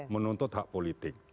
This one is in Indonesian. menuntut hak politik